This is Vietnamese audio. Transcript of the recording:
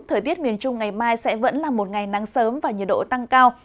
thời tiết miền trung ngày mai sẽ vẫn là một ngày nắng sớm và nhiệt độ tăng cao